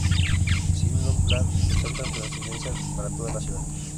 Siendo un Plan de tanta trascendencia para toda la ciudad